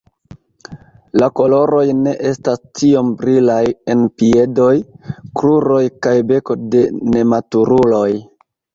La koloroj ne estas tiom brilaj en piedoj, kruroj kaj beko de nematuruloj.